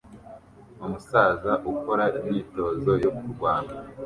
Umusaza ukora imyitozo yo kurwana